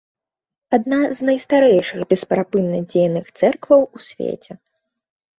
Адна з найстарэйшых бесперапынна дзейных цэркваў у свеце.